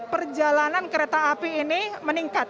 perjalanan kereta api ini meningkat